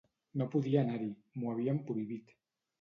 No podia anar-hi: m'ho havien prohibit.